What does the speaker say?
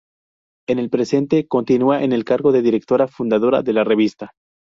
En el presente, continúa en el cargo de Directora Fundadora de la revista.